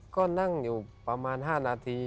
ก็นั่งอยู่ประมาณ๕นาที